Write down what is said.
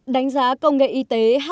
đánh giá công nghệ y tế hta